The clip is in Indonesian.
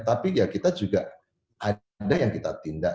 tapi ya kita juga ada yang kita tindak